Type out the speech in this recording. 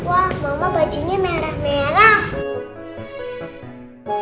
wah mama bajunya merah merah